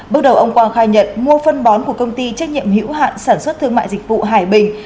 bước đầu ông quang khai nhận mua phân bón của công ty trách nhiệm hữu hạn sản xuất thương mại dịch vụ hải bình